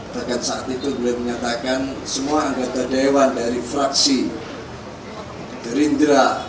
bahkan saat itu beliau menyatakan semua anggota dewan dari fraksi gerindra